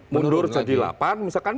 mundur jadi delapan misalkan